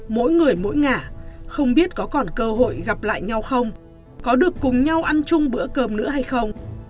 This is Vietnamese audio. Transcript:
mỗi người mỗi ngả không biết có còn cơ hội gặp lại nhau không có được cùng nhau ăn chung bữa cơm nữa hay không